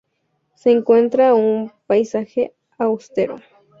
Se encuentra en un paisaje austero.